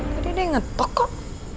tadi dia ngetok kok